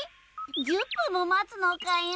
１０ぷんもまつのかよ。